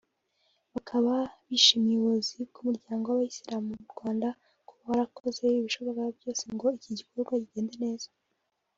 Bakaba bashimiye ubuyobozi bw’Umuryango w’Abasilamu mu Rwanda kuba warakoze ibishoboka byose ngo iki gikorwa kigende neza